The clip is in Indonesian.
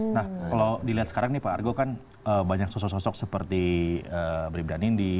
nah kalau dilihat sekarang nih pak argo kan banyak sosok sosok seperti bribda nindi